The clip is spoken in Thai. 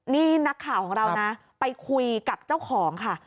นี่นักข่าวของเรานะไปคุยกับเจ้าของค่ะ